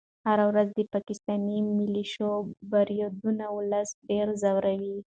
هره ورځ د پاکستاني ملیشو بریدونه ولس ډېر ځوروي.